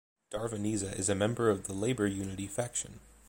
Darveniza is a member of the Labor Unity faction.